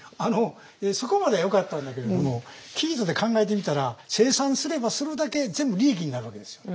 そこまではよかったんだけれども生糸で考えてみたら生産すればするだけ全部利益になるわけですよ。